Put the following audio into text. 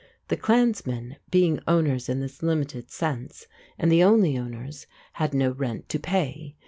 The clansmen, being owners in this limited sense, and the only owners, had no rent to pay.